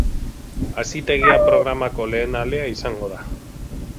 Hazitegia programako lehen alea izango da.